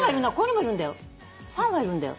３羽いるんだよ